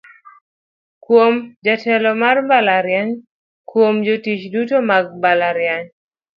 "Kuom: Jatelono mar mbalariany, Kuom: Jotich duto mag mbalariany".